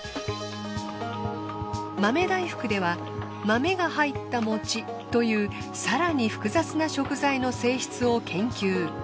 豆大福では豆が入ったもちという更に複雑な食材の性質を研究。